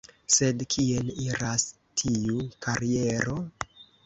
Sed kien iras tiu kariero...?